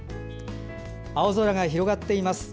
青空が広がっています。